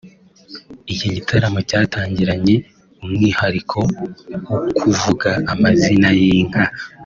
Iki gitaramo cyatangiranye umwihariko wo kuvuga amazina y’inka